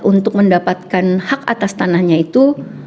untuk mendapatkan hak atas tanahnya itu